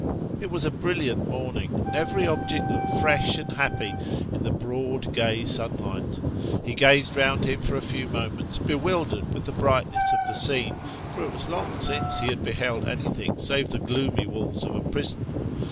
It was a brilliant morning, and every object looked fresh and happy in the broad, gay sunlight ; he gazed round him for a few moments, bewildered with the brightness of the scene, for it was long since he had beheld anything save the gloomy walls of a prison.